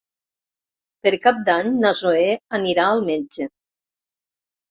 Per Cap d'Any na Zoè anirà al metge.